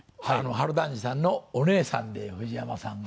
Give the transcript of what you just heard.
春団治さんのお姉さんで藤山さんが。